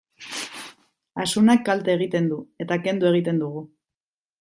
Asunak kalte egiten du, eta kendu egiten dugu.